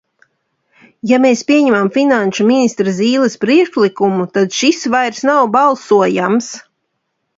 Ja mēs pieņemam finansu ministra Zīles priekšlikumu, tad šis vairs nav balsojams.